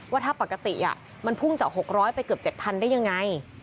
ว่าถ้าปกติมันพุ่งจาก๖๐๐ไปเกือบ๗๐๐ได้ยังไง